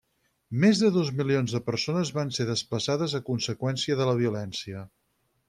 Més de dos milions de persones van ser desplaçades a conseqüència de la violència.